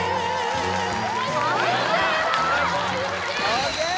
ＯＫ